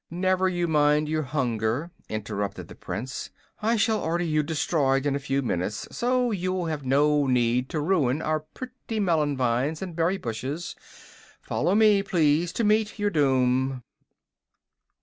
"Never mind your hunger," interrupted the Prince. "I shall order you destroyed in a few minutes, so you will have no need to ruin our pretty melon vines and berry bushes. Follow me, please, to meet your doom."